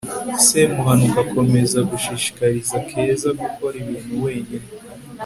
semuhanuka akomeza gushishikariza keza gukora ibintu wenyine